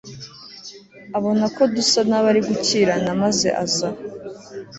abona ko dusa nabari gukirana maze aza